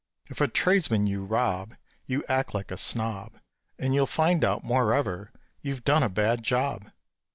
If a tradesman you rob You act like a snob, And you'll find out, moreover, you've done a bad job.